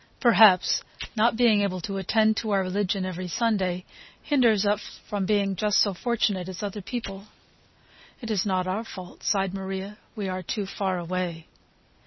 Perhaps not being able to attend to our religion every Sunday hinders us from being just so fortunate as other people." "It is not our fault," sighed Maria, "we are too far away."